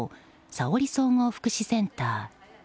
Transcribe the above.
佐織総合福祉センター。